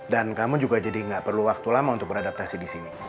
dan kamu juga jadi gak perlu waktu lama untuk beradaptasi di sini